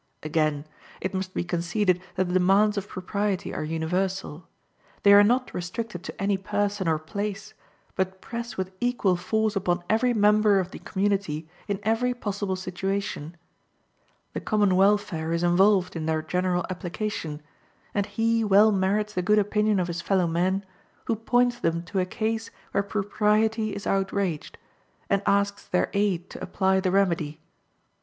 Again: it must be conceded that the demands of propriety are universal. They are not restricted to any person or place, but press with equal force upon every member of the community in every possible situation. The common welfare is involved in their general application, and he well merits the good opinion of his fellow men who points them to a case where propriety is outraged, and asks their aid to apply the remedy.